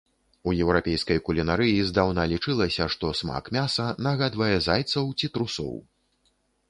У еўрапейскай кулінарыі здаўна лічылася, што смак мяса нагадвае зайцаў ці трусоў.